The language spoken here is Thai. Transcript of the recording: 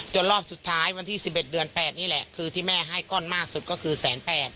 รอบสุดท้ายวันที่๑๑เดือน๘นี่แหละคือที่แม่ให้ก้อนมากสุดก็คือ๑๘๐๐